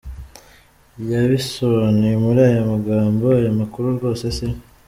Yabisobanuye muri aya magambo: “Ayo makuru rwose siyo.